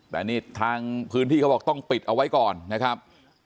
แต่นี่ทางพื้นที่เขาบอกต้องปิดเอาไว้ก่อนนะครับ